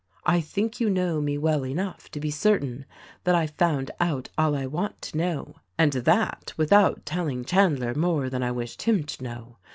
I think you know me well enough to be certain that I found out all I want to know — and that without telling Chandler more than I wished him to know.